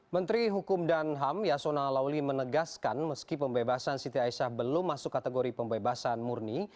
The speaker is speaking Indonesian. menteri hukum dan ham yasona lawli menegaskan meski pembebasan siti aisyah belum masuk kategori pembebasan murni